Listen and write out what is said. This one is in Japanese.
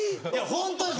ホントです